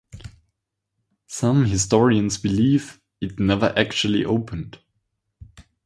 Some historians believe it never actually opened.